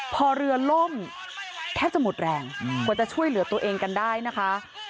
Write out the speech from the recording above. พอเรือล่มแทบจะหมดแรงกว่าจะช่วยเหลือตัวเองกันได้นะคะ